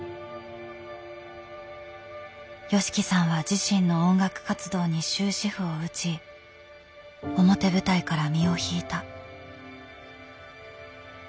ＹＯＳＨＩＫＩさんは自身の音楽活動に終止符を打ち表舞台から身を引いた。